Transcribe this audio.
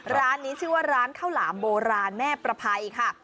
ร้านนี้ชื่อว่าร้านข้าวหลามโบราณแม่ประภัยค่ะ